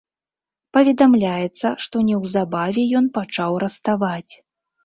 Паведамляецца, што неўзабаве ён пачаў раставаць.